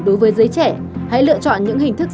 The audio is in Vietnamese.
đối với giới trẻ hãy lựa chọn những hình thức